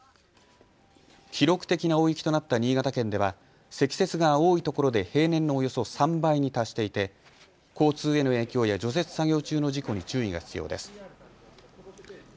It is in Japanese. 記録的な大雪となった新潟県では積雪が多いところで平年のおよそ３倍に達していて交通への影響や除雪作業中の事故に注意が必要です。